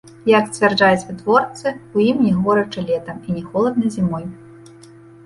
Як сцвярджаюць вытворцы, у ім не горача летам і не холадна зімой.